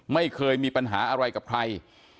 ไม่เคยมีปัญหาอะไรกับใคร